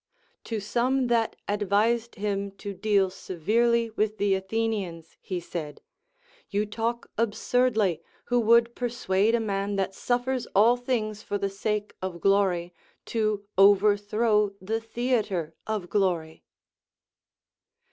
To some that advised him to deal severely with the Athenians he said : You talk absurdly, who would persuade a man that suffers all things for the sake of glory, to overthrow the theatre of glory.